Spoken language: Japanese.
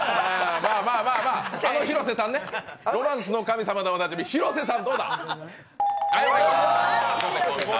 まあまあまああの広瀬さんね、「ロマンスの神様」でおなじみ広瀬さん。